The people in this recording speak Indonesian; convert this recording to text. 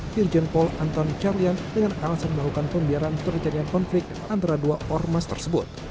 dirjen paul antoni carlyan dengan alasan melakukan pembiaran terjadinya konflik antara dua ormas tersebut